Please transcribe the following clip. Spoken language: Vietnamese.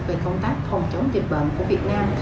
về công tác phòng chống dịch bệnh của việt nam